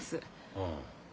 うん。